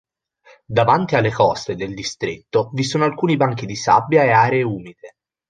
Davanti alle coste del distretto vi sono alcuni banchi di sabbia e aree umide.